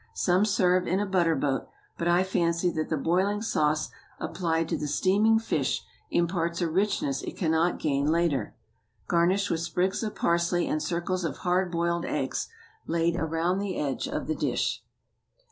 Some serve in a butter boat; but I fancy that the boiling sauce applied to the steaming fish imparts a richness it cannot gain later. Garnish with sprigs of parsley and circles of hard boiled eggs, laid around the edge of the dish.